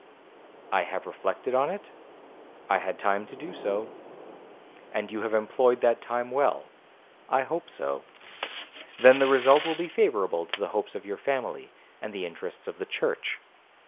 'I have reflected on it?—'I had time to do so.'—'And you have employed that time well?'—'I hope so.'—'Then the result will be favourable to the hopes of your family, and the interests of the church.'